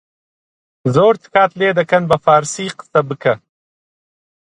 «زۆر تکات لێ دەکەن بە فارسی قسە بکە